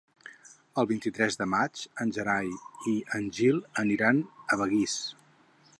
El vint-i-tres de maig en Gerai i en Gil aniran a Begís.